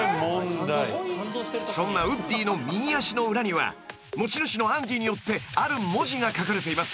［そんなウッディの右足の裏には持ち主のアンディによってある文字が書かれています］